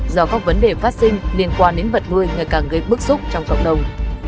do các vấn đề phát sinh liên quan đến vật nuôi ngày càng gây bức xúc trong cộng đồng